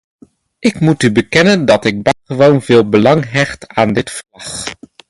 Ik moet u bekennen dat ik buitengewoon veel belang hecht aan dit verslag.